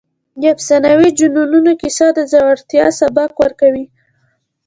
د افسانوي جنونو کیسه د زړورتیا سبق ورکوي.